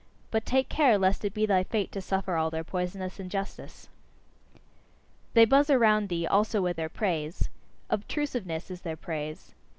But take care lest it be thy fate to suffer all their poisonous injustice! They buzz around thee also with their praise: obtrusiveness, is their praise.